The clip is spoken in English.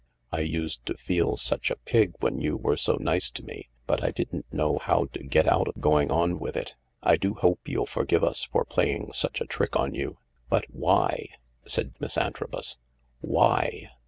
" I used to feel such a pig when you were so nice to me, but I didn't know how to get out of going on with it. I do hope you'll forgive us for playing such a trick on you." " But why ?" said Miss Antrobus. " Why